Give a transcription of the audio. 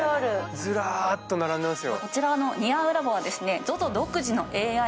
ずらっと並んでいますよ。